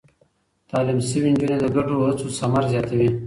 تعليم شوې نجونې د ګډو هڅو ثمر زياتوي.